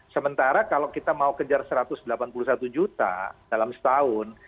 sementara kalau kita mau kejar satu ratus delapan puluh satu juta dalam setahun